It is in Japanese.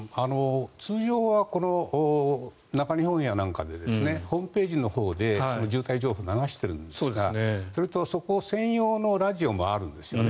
通常は中日本やなんかでホームページのほうで渋滞情報を流しているんですがそれと、そこ専用のラジオもあるんですよね。